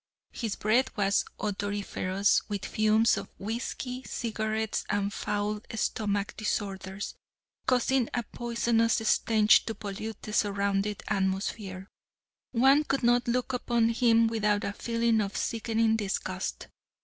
His breath was odoriferous with fumes of whiskey, cigarettes, and foul stomach disorders, causing a poisonous stench to pollute the surrounding atmosphere. One could not look upon him without a feeling of sickening disgust.